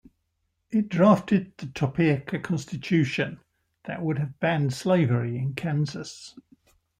It drafted the Topeka Constitution that would have banned slavery in Kansas.